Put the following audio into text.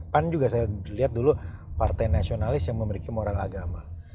pan juga saya lihat dulu partai nasionalis yang memiliki moral agama